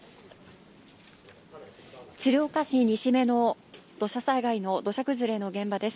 鶴岡市西目の土砂災害の、土砂崩れの現場です。